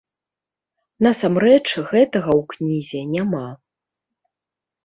Насамрэч гэтага ў кнізе няма.